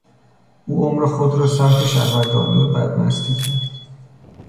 او عمر خود را صرف شهوترانی و بدمستی کرد.